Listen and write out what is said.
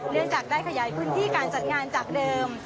เนื่องจากได้ขยายพื้นที่การจัดงานจากเดิม